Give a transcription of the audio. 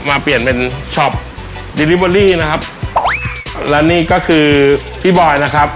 มาเปลี่ยนเป็นนะครับแล้วนี่ก็คือพี่บอยนะครับ